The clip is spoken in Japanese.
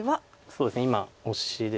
そうですね今オシで。